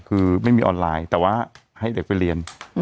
คือไม่มีออนไลน์แต่ว่าให้เด็กไปเรียน